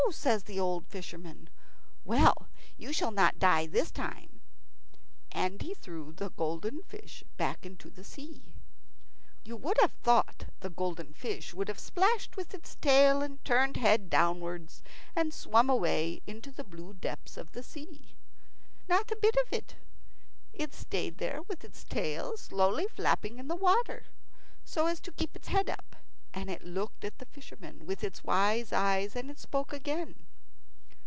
says the old fisherman. "Well, you shall not die this time." And he threw the golden fish back into the sea. You would have thought the golden fish would have splashed with his tail, and turned head downwards, and swum away into the blue depths of the sea. Not a bit of it. It stayed there with its tail slowly flapping in the water so as to keep its head up, and it looked at the fisherman with its wise eyes, and it spoke again.